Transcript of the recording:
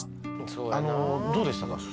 あのどうでしたか？